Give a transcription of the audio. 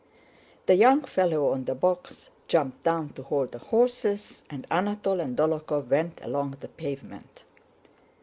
The young fellow on the box jumped down to hold the horses and Anatole and Dólokhov went along the pavement.